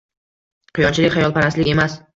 Quyonchilik xayolparastlik emas